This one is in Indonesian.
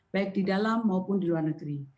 baik di dalam maupun di luar negeri